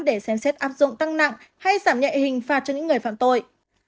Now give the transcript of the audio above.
để xem xét áp dụng tăng nặng hay giảm nhẹ hình phạt cho những người phạm tội